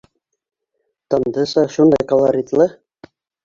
Тандыса шундай колоритлы!